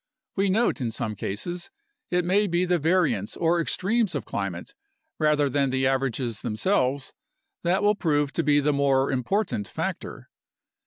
We note that in some cases it may be the variance or extremes of climate, rather than the averages themselves, that will prove to be the more important factor.